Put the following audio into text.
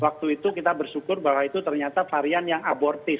waktu itu kita bersyukur bahwa itu ternyata varian yang abortif